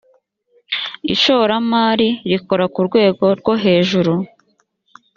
ishoramari rikora kurwego rwohejuru.